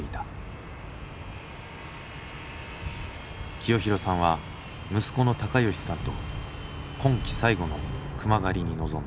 清弘さんは息子の貴吉さんと今季最後の熊狩りに臨んだ。